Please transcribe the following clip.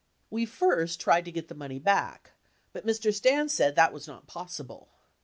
We first tried to get the money back, but Mr. Stans said that was not possible.